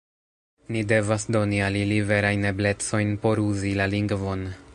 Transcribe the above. Ni devas doni al ili verajn eblecojn por uzi la lingvon.